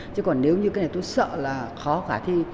chứ còn nếu như cái này tôi sợ là khó khả thi